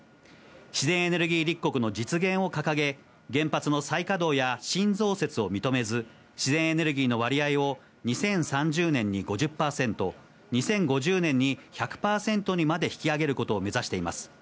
自然エネルギー立国の実現を掲げ、原発の再稼働や新増設を認めず、自然エネルギーの割合を２０３０年に５０％、２０５０年に１００％にまで引き上げることを目指しています。